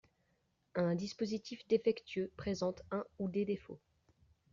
Un dispositif défectueux présente un ou des défauts.